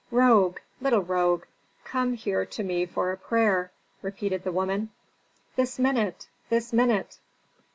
"Rogue! Little rogue! come here to me for a prayer," repeated the woman. "This minute! this minute!"